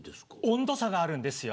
温度差があるんです。